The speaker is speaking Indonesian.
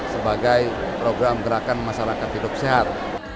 sebagai program gerakan masyarakat hidup sehat